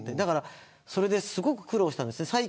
それで、すごく苦労したんです。